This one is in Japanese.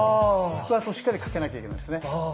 腹圧をしっかりかけなきゃいけないんですね。